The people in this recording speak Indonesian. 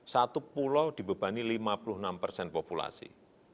satu pulau dibebani lima puluh enam persen populasi